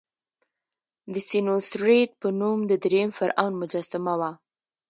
د سینوسریت په نوم د دریم فرعون مجسمه وه.